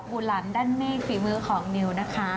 บุหลามด้านเมฆฝีมือของนิวนะคะ